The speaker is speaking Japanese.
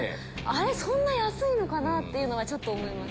あれそんな安いのかな？ってちょっと思います。